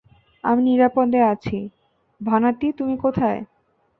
আমি নিরাপদে আছি- ভানাতি, কোথায় তুমি?